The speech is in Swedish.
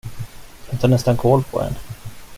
Den tar nästan kål på en.